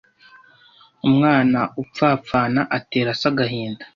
Umwana upfapfana atera se agahinda